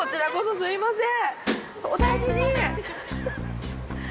すみません。